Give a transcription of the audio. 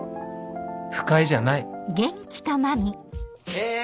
不快じゃないえ！